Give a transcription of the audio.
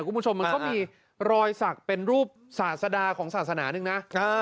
คุณผู้ชมมันก็มีรอยสักเป็นรูปศาสดาของศาสนาหนึ่งนะ